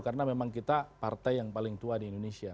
kita partai yang paling tua di indonesia